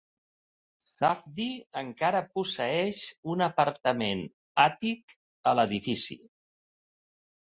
Safdie encara posseeix un apartament Àtic a l'edifici.